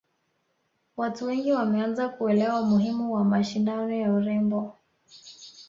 watu wengi wameanza kuelewa umuhimu wa mashindano ya urembo